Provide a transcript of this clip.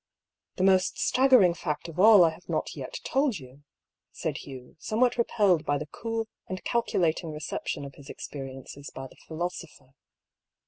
"The most staggering fact of all I have not yet told you," said Hugh, somewhat repelled by the cool and calculating reception of his experiences by the philosopher.